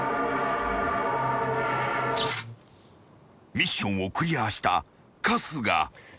［ミッションをクリアした春日］